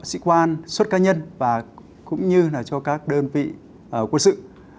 sĩ quan xuất cá nhân và cũng như là cho các đơn vị quân sự